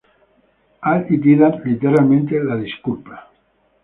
Al-i'tidar: Literalmente, la disculpa.